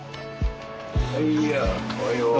はいおはよう。